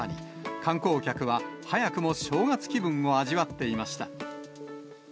観光客は早くも正月気分を味わっていました。